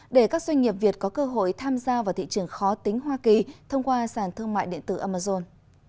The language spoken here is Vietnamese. để các doanh nghiệp việt có cơ hội tham gia vào thị trường khó tính hoa kỳ thông qua sàn thương mại điện tử amazon